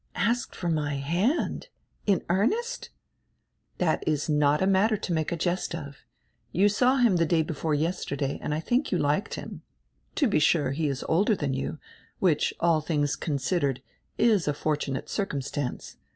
"Asked for my hand? In earnest?" "That is not a matter to make a jest of. You saw him the day before yesterday and I think you liked him. To be sure, he is older than you, which, all tilings considered, is a fortunate circumstance.